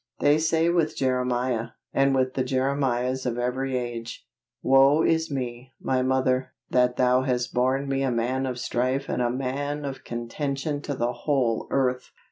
They say with Jeremiah, and with the Jeremiahs of every age, "Woe is me, my mother, that thou hast borne me a man of strife and a man of contention to the whole earth!"